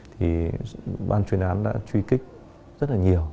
thì ban chuyên án đã truy kích rất là nhiều